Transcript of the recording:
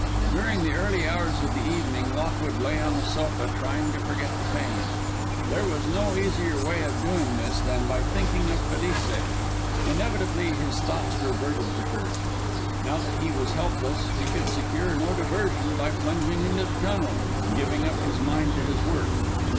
During the early hours of the evening Lockwood lay on the sofa trying to forget the pain. There was no easier way of doing this than by thinking of Felice. Inevitably his thoughts reverted to her. Now that he was helpless, he could secure no diversion by plunging into the tunnel, giving up his mind to his work.